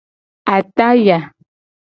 Ataya.